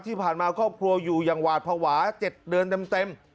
ที่ผ่านมาครอบครัวอยู่อย่างหวาดภาวะ๗เดือนเต็ม